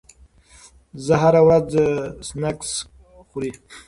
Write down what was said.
زه هره ورځ سنکس خوري.